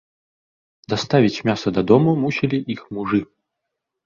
Даставіць мяса дадому мусілі іх мужы.